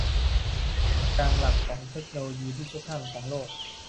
ศูนย์กลางหลักของเทคโนโลยีดิจิทัลของโลก